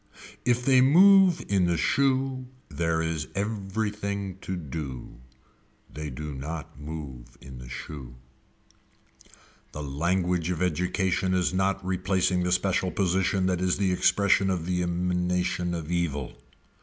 If they move in the shoe there is everything to do. They do not move in the shoe. The language of education is not replacing the special position that is the expression of the emanation of evil.